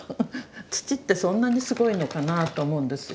土ってそんなにすごいのかなぁと思うんですよ。